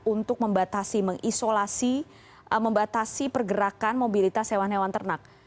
untuk membatasi mengisolasi membatasi pergerakan mobilitas hewan hewan ternak